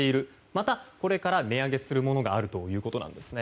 また、これから値上げするものがあるということです。